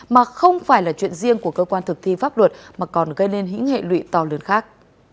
mà không phải là chuyện riêng của cơ quan thực thi pháp luật mà còn gây nên hĩ hệ lụy to lớn khác